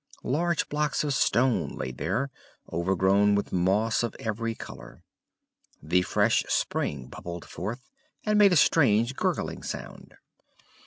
Large blocks of stone lay there, overgrown with moss of every color; the fresh spring bubbled forth, and made a strange gurgling sound.